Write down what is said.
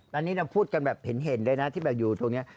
อันนี้เราพูดกันแบบเห็นเลยนะที่แบบอยู่ตรงนี้